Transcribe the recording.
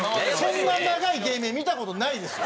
そんな長い芸名見た事ないですよ。